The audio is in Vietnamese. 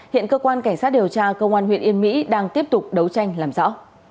hiện cơ quan cảnh sát điều tra công an huyện yên mỹ đang tiếp tục đấu tranh làm rõ